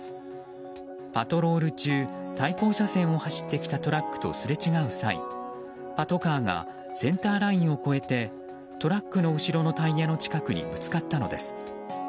パトロール中、対向車線を走ってきたトラックとすれ違う際パトカーがセンターラインを越えてトラックの後ろのタイヤの近くにぶつかったのです。